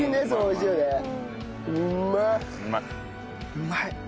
うまい！